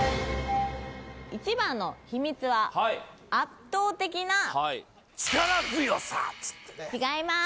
１番の秘密は圧倒的な違いまーす